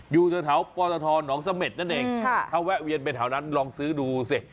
อยู่ท้าวพอร์ตทน้องสะเม็ดนั่นเองถ้าแวะเวียนไปท้าวนั้นลองซื้อดูสิ